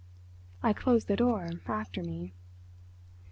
I closed the door after me.